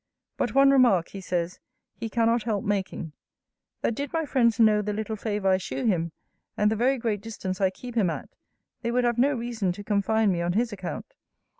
But one remark, he says, he cannot help making: that did my friends know the little favour I shew him, and the very great distance I keep him at, they would have no reason to confine me on his account.